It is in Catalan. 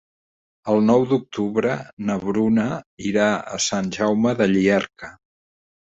El nou d'octubre na Bruna irà a Sant Jaume de Llierca.